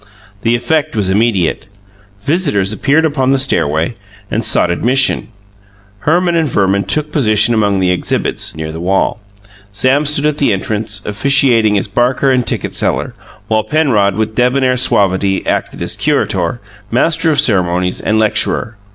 The effect was immediate. Visitors appeared upon the stairway and sought admission. Herman and Verman took position among the exhibits, near the wall; Sam stood at the entrance, officiating as barker and ticket seller; while Penrod, with debonair suavity, acted as curator, master of ceremonies, and lecturer.